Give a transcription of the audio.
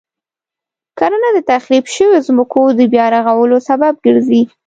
کرنه د تخریب شويو ځمکو د بیا رغولو سبب ګرځي.